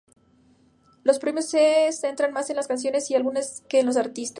Los premios se centran más en las canciones y álbumes que en los artistas.